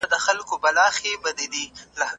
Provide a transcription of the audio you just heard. نظم او ډسپلين د بريا راز دی.